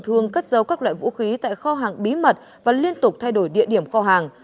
thường cất dấu các loại vũ khí tại kho hàng bí mật và liên tục thay đổi địa điểm kho hàng